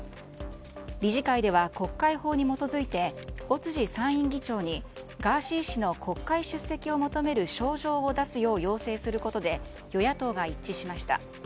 理事会では国会法に基づいて尾辻参院議長にガーシー氏の国会出席を求める招状を出すよう要請することで与野党が一致しました。